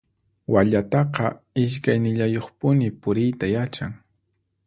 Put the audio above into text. Wallataqa iskaynillayuqpuni puriyta yachan.